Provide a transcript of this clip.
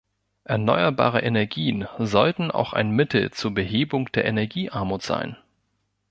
Erneuerbare Energien sollten auch ein Mittel zur Behebung der Energiearmut sein.